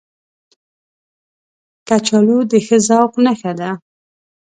کچالو د ښه ذوق نښه ده